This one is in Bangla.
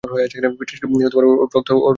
পিশাচকে ওর রক্তের গন্ধ পেতে দাও!